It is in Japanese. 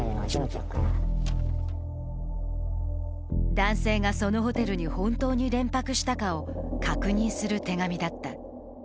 男性がそのホテルに本当に連泊したかを確認する手紙だった。